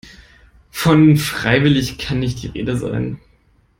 Von freiwillig kann nicht die Rede sein.